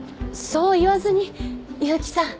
そう言わずに悠木さん。